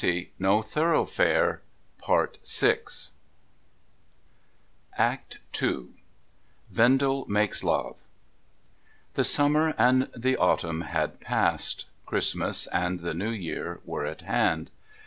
VENDALE'S DETERMINATION 515 ACT II VENDALE MAKES LOVE The summer and the autumn had passed. Christmas and the New Year were at hand.